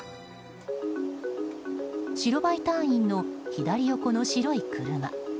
白バイ隊員の左横の白い車。